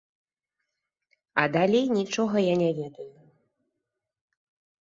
А далей нічога я не ведаю.